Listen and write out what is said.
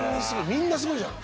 みんなすごいじゃん。